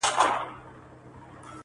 د مست کابل، خاموشي اور لګوي، روح مي سوځي.